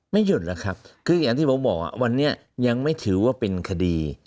หยุดหรอกครับคืออย่างที่ผมบอกวันนี้ยังไม่ถือว่าเป็นคดี